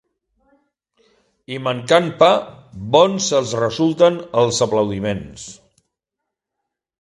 I mancant pa, bons els resulten els aplaudiments.